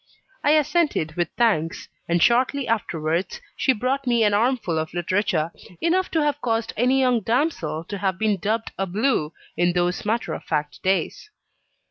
I assented with thanks; and shortly afterwards she brought me an armful of literature enough to have caused any young damsel to have been dubbed a "blue," in those matter of fact days.